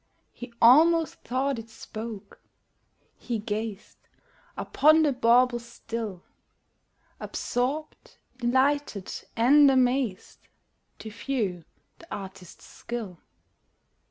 He almost thought it spoke: he gazed Upon the bauble still, Absorbed, delighted, and amazed, To view the artist's skill.